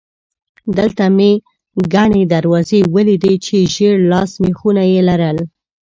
دلته مې ګڼې دروازې ولیدې چې ژېړ لاسي مېخونه یې لرل.